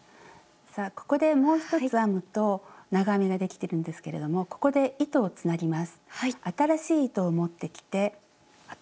さあここでもう一つ編むと長編みができてるんですけれどもここで糸をつなぎます。